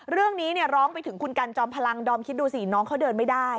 เรื่องนี้ร้องไปถึงคุณกันจอมพลังดอมคิดดูสิน้องเขาเดินไม่ได้